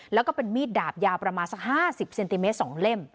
แล้วก็เป็นมีดดาบยาวประมาณสัก๕๐เซนติเมตร๒เล่ม